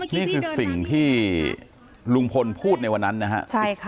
นี่คือสิ่งที่ลุงพลพูดในวันนั้นนะครับ